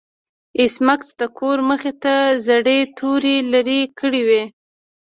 ایس میکس د کور مخې ته زړې توري لرې کړې وې